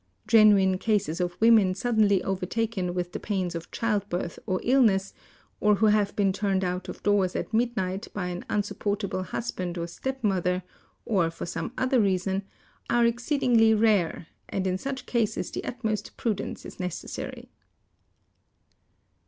Genuine cases of women suddenly overtaken with the pains of childbirth or illness, or who have been turned out of doors at midnight by an unsupportable husband or stepmother, or for some other reason, are exceeding rare, and in such cases the utmost prudence is necessary.